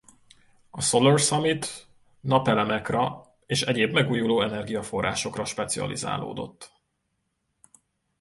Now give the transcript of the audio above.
A Solar Summit napelemekra és egyéb megújuló energiaforrásokra specializálódott.